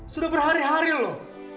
sudah berhari hari loh